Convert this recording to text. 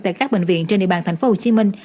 tại các bệnh viện trên địa bàn tp hcm